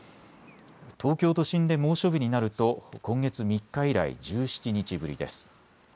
東京都心で猛暑日になると今月３日以来、１７日ぶりです。